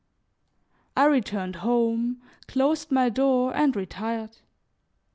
I returned home, closed my door and retired.